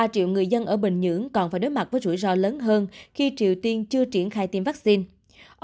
ba triệu người dân ở bình nhưỡng còn phải đối mặt với rủi ro lớn hơn khi triều tiên chưa triển khai tiêm vaccine